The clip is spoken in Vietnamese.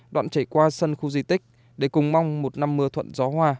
đoạn chảy qua sân khu di tích để cùng mong một năm mưa thuận gió hoa